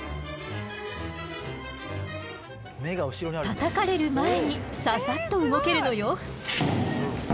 たたかれる前にササッと動けるのよ。